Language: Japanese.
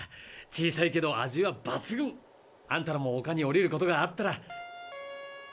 小さいけど味はばつぐん！あんたらも地球に降りることがあったら。